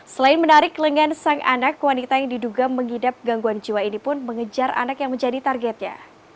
selain menarik lengan sang anak wanita yang diduga mengidap gangguan jiwa ini pun mengejar anak yang menjadi targetnya